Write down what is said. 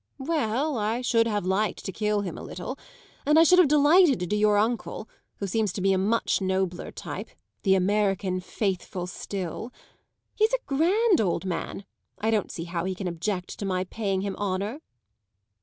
"Well, I should have liked to kill him a little. And I should have delighted to do your uncle, who seems to me a much nobler type the American faithful still. He's a grand old man; I don't see how he can object to my paying him honour."